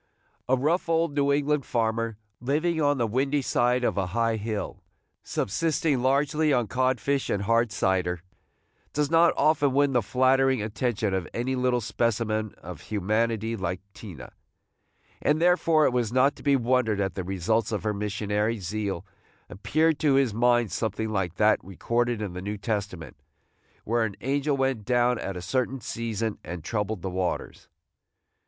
A rough old New England farmer, living on the windy side of a high hill, subsisting largely on codfish and hard cider, does not often win the flattering attention of any little specimen of humanity like Tina; and therefore it was not to be wondered at that the results of her missionary zeal appeared to his mind something like that recorded in the New Testament, where "an angel went down at a certain season and troubled the waters."